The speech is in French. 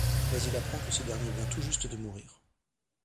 Mais il apprend que ce dernier vient tout juste de mourir.